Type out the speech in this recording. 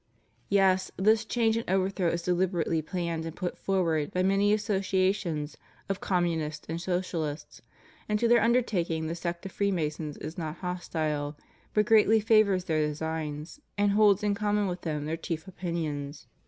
Yea, this change and overthrow is deliberately planned and put forward by many associations of Communists and Socialists; and to their undertakings the sect of Free masons is not hostile, but greatly favors their designs, and holds in common with them their chief opinions.